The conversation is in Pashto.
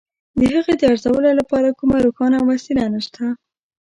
د هغې د ارزولو لپاره کومه روښانه وسیله نشته.